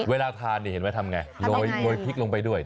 เวลาทานนี่เห็นว่าทำอย่างไรโรยพริกลงไปด้วย